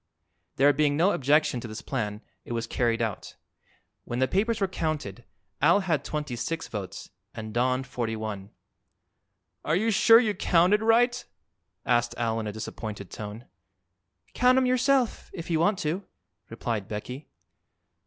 There being no objection to this plan it was carried out. When the papers were counted Al had twenty six votes and Don forty one. "Are you sure you counted right?" asked Al in a disappointed tone. "Count 'em yourself, if you want to," replied Becky.